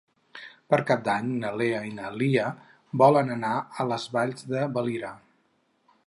Per Cap d'Any na Lena i na Lia volen anar a les Valls de Valira.